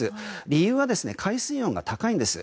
理由は海水温が高いんです。